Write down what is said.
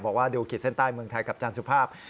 บอกว่าดูขีดเส้นใต้เมืองไทยกับอาจารย์สุภาพ